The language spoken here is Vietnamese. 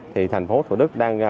thì thành phố thủ đức đang